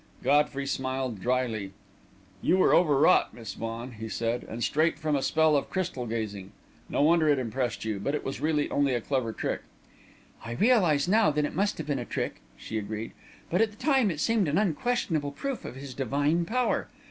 Godfrey smiled drily. "You were over wrought, Miss Vaughan," he said, "and straight from a spell of crystal gazing. No wonder it impressed you. But it was really only a clever trick." "I realise, now, that it must have been a trick," she agreed; "but at the time it seemed an unquestionable proof of his divine power.